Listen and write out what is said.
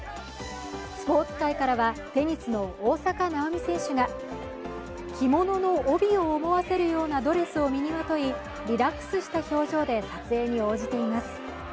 スポーツ界からはテニスの大坂なおみ選手が着物の帯を思わせるようなドレスを身にまとい、リラックスした表情で撮影に応じています。